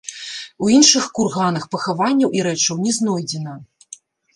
У іншых курганах пахаванняў і рэчаў не знойдзена.